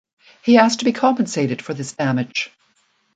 He asked to be compensated for this damage.